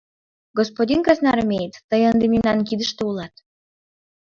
Господин красноармеец, тый ынде мемнан кидыште улат...